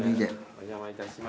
お邪魔いたします。